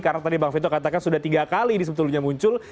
karena tadi bang vito katakan sudah tiga kali ini sebetulnya muncul